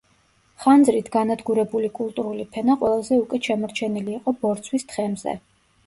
ხანძრით განადგურებული კულტურული ფენა ყველაზე უკეთ შემორჩენილი იყო ბორცვის თხემზე.